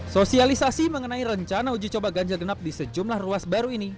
sosialisasi mengenai rencana uji coba ganjil genap di sejumlah ruas baru ini